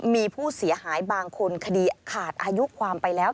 มีผู้เสียหายบางคนคดีขาดอายุความไปแล้ว